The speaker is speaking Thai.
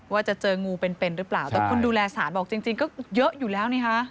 ว่าจะเจองูเป็นเป็นหรือเปล่าแต่คนดูแลสารบอกจริงก็เยอะอยู่แล้วนี่ค่ะ